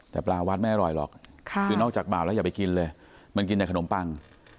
แต่ปลาวัดไม่อร่อยหรอกคือนอกจากบ่าวแล้วอย่าไปกินเลยมันกินแต่ขนมปัง